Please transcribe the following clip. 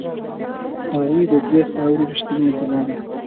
هغوی د دې خاورې ریښتیني اتلان وو.